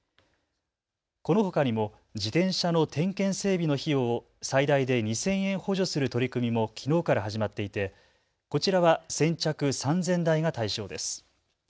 このほかにも自転車の点検整備の費用を最大で２０００円補助する取り組みもきのうから始まっていてこちらは先着３０００台が対象です。